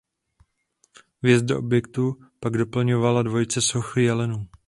Vjezd do objektu pak doplňovala dvojice soch jelenů.